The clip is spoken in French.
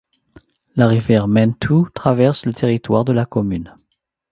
La rivière Mentue traverse le territoire de la commune.